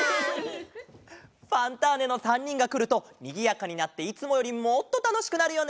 「ファンターネ！」の３にんがくるとにぎやかになっていつもよりもっとたのしくなるよね。